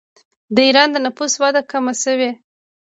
د ایران د نفوس وده کمه شوې.